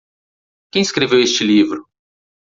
Quem escreveu este livro?